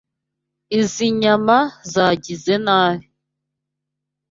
Izoi nyama zagizoe nabi.